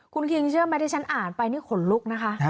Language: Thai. คุณคิงเชื่อไหมที่ฉันอ่านไปนี่ขนลุกนะคะ